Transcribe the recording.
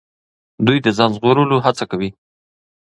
دوی د ځان ژغورلو هڅه کوي.